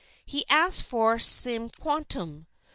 He asked for Tisquantum.